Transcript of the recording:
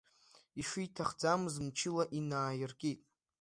Ишиҭахӡамыз мчыла инаииркит.